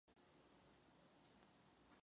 Později byla přestavěna na obytný dům.